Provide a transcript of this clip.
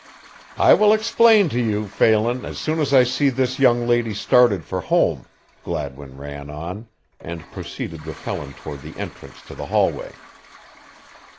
"I will explain to you, Phelan, as soon as I see this young lady started for home," Gladwin ran on, and proceeded with Helen toward the entrance to the hallway.